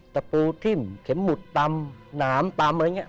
แตกบูโหทิ่งเข็มหมุดตำนามตล